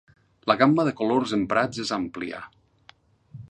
La gamma de colors emprats és àmplia.